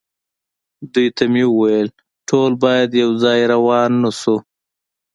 دوی ته مې وویل: ټول باید یو ځای روان نه شو.